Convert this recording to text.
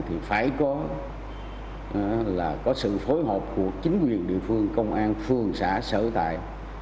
thì phải có sự phối hợp của chính quyền địa phương công an phương xã sở tại